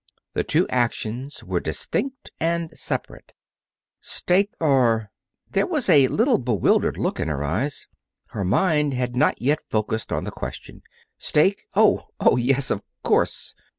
The two actions were distinct and separate. "Steak or " There was a little bewildered look in her eyes. Her mind had not yet focused on the question. "Steak oh! Oh, yes, of course!